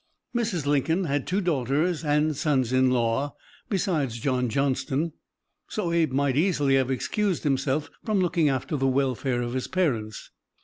Mrs. Lincoln had two daughters and sons in law, besides John Johnston, so Abe might easily have excused himself from looking after the welfare of his parents.